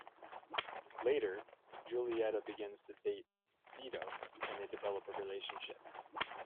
Later, Julieta begins to date Beto and they develop a relationship.